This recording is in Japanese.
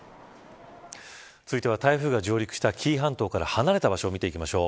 続いては台風が上陸した紀伊半島から離れた場所を見ていきましょう。